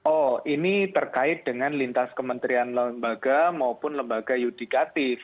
oh ini terkait dengan lintas kementerian lembaga maupun lembaga yudikatif